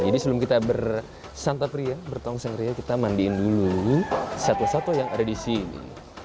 jadi sebelum kita bersantapria bertongsengria kita mandiin dulu satu satu yang ada disini